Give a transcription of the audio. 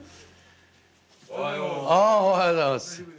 あおはようございます。